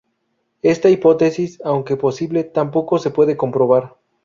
Esta hipótesis, aunque posible, tampoco se puede comprobar.